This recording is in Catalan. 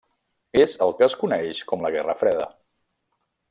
És el que es coneix com la Guerra Freda.